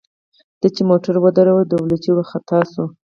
ده چې موټر ودراوه ډولچي ورخطا شو.